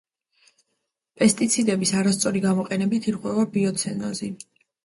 პესტიციდების არასწორი გამოყენებით ირღვევა ბიოცენოზი.